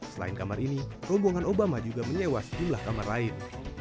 selain kamar ini rombongan obama juga menyewa sejumlah kamar lain